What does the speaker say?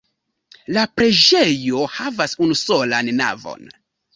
La preĝejo havas unusolan navon.